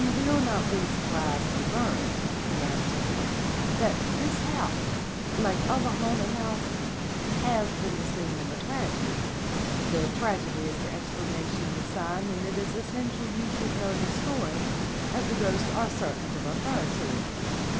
"You will not be surprised to learn," he answered, "that this house, like other haunted houses, has been the scene of a tragedy. The tragedy is the explanation of the sign, and it is essential you should know the story, as the ghosts are certain to refer to it.